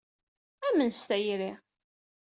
Amen s tayri!